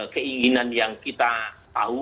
keinginan yang kita tahu